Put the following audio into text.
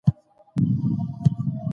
ناوخته کار کول باید منظم شي.